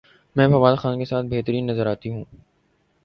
میں فواد خان کے ساتھ بہترین نظر اتی ہوں